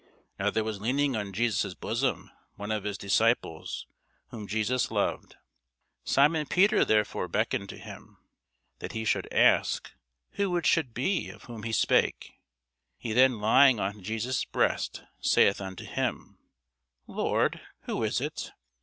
Now there was leaning on Jesus' bosom one of his disciples, whom Jesus loved. Simon Peter therefore beckoned to him, that he should ask who it should be of whom he spake. He then lying on Jesus' breast saith unto him, Lord, who is it?